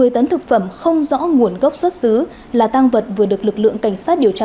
một mươi tấn thực phẩm không rõ nguồn gốc xuất xứ là tăng vật vừa được lực lượng cảnh sát điều tra